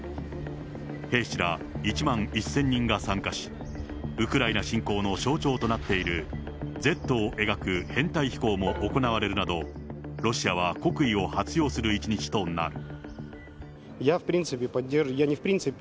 兵士ら１万１０００人が参加し、ウクライナ侵攻の象徴となっているＺを描く編隊飛行も行われるなど、ロシアは国威を発揚する１日となる。